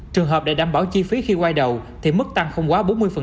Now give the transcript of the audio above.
trường hợp để đảm bảo chi phí khi quay đầu thì mức tăng không quá bốn mươi